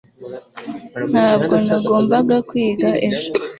ntabwo nagombaga kwiga ejo